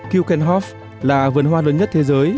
kukenhof là vườn hoa lớn nhất thế giới